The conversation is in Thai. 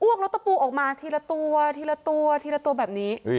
รถตะปูออกมาทีละตัวทีละตัวทีละตัวแบบนี้